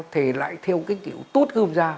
thì lại theo cái kiểu tút hưm ra